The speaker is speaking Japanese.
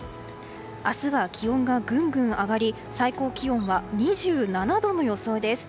明日は気温がぐんぐん上がり最高気温は２７度の予想です。